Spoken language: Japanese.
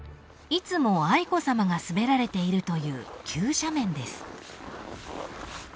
［いつも愛子さまが滑られているという急斜面です］